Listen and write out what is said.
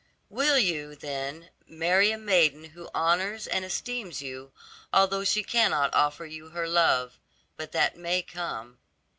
'Will you, then, marry a maiden who honors and esteems you, although she cannot offer you her love? but that may come.'